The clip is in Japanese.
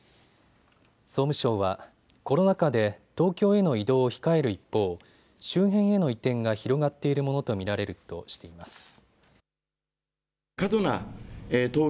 総務省は、コロナ禍で東京への移動を控える一方、周辺への移転が広がっているものと見られるとしています。